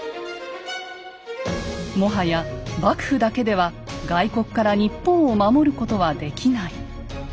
もはや幕府だけでは外国から日本を守ることはできない。